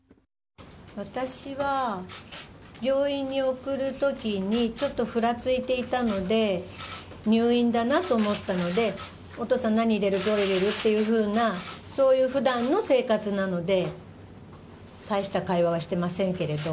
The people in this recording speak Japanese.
私は病院に送る時にちょっとふらついていたので入院だなと思ったのでお父さん、何入れる？というそういう普段の生活なので大した会話はしてませんけれども。